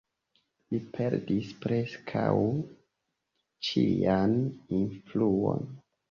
Li perdis preskaŭ ĉian influon.